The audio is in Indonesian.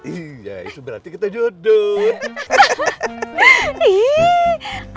iya itu berarti kita jodoh